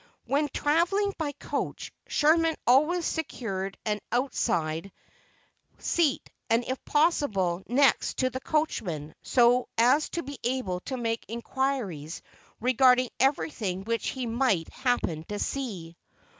When travelling by coach, Sherman always secured an outside seat, and, if possible, next to the coachman, so as to be able to make inquiries regarding everything which he might happen to see.